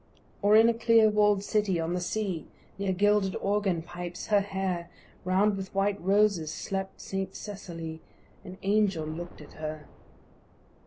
Or in a clear wall'd city on the sea, Near gilded organ pipes, her hair with white roses, slept Saint Cecily; An angel look'd at her.